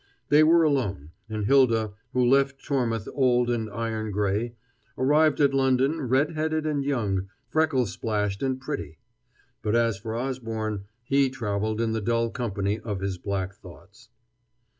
They were alone, and Hylda, who left Tormouth old and iron gray, arrived at London red headed and young, freckle splashed and pretty. But as for Osborne, he traveled in the dull company of his black thoughts.